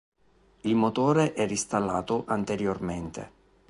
Il motore era installato anteriormente.